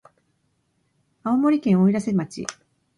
青森県おいらせ町